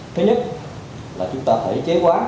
thứ nhất là chúng ta phải chế quá